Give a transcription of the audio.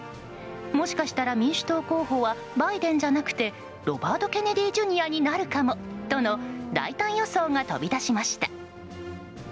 もしかしたら民主党候補はバイデンじゃなくてロバート・ケネディ・ジュニアになるかもとの大胆予想が飛び出しました。